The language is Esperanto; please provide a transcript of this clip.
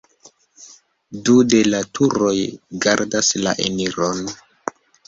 Du de la turoj gardas la eniron.